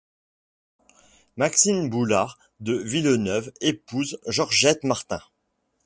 Maxime Boulard de Villeneuve épouse Georgette Martin.